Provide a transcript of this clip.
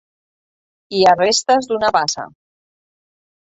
Hi ha restes d'una bassa.